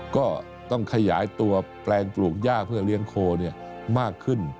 ก็ต้องขยายตัวแปลงปลูกย่าเพื่อเลี้ยงโคมากขึ้น